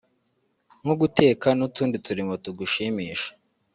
nko guteka n’utundi turimo tugushimisha